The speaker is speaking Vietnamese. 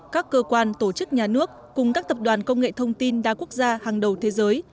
các cơ quan tổ chức nhà nước cùng các tập đoàn công nghệ thông tin đa quốc gia hàng đầu thế giới